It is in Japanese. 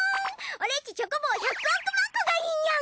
オレっちチョコボー１００億万個がいいニャン！